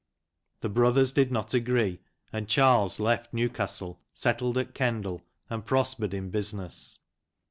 The brothers did not agree, and Charles left Newcastle, settled at Kendal, and prospered in business.